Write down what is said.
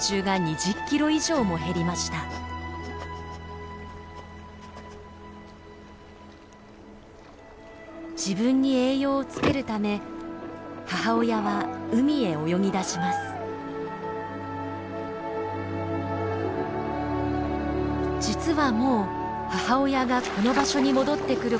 実はもう母親がこの場所に戻ってくることはありません。